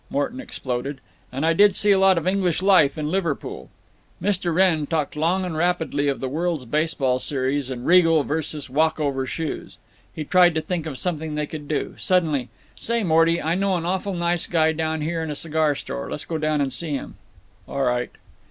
Morton exploded. "And I did see a lot of English life in Liverpool." Mr. Wrenn talked long and rapidly of the world's baseball series, and Regal vs. Walkover shoes. He tried to think of something they could do. Suddenly: "Say, Morty, I know an awful nice guy down here in a cigar store. Let's go down and see him." "All right."